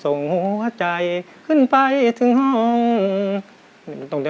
ส่วนครึ่ง